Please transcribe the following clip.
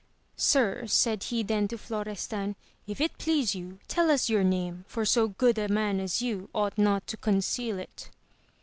Sir, said he then to Morestan, if it please you, tell us your name, for. so good a man as you ought not to conceal it.